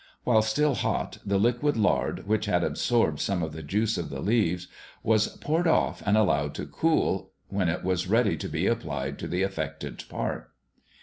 While still hot, the liquid lard, which had absorbed some of the juice of the leaves, was poured off and allowed to cool, when it was ready to be applied to the affected part.